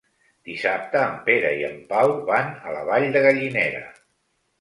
Dissabte en Pere i en Pau van a la Vall de Gallinera.